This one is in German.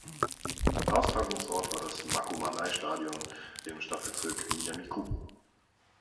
Austragungsort war das Makomanai-Stadion im Stadtbezirk Minami-ku.